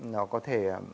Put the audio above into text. nó có thể